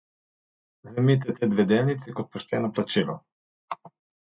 Vzemite te dve delnici kot pošteno plačilo.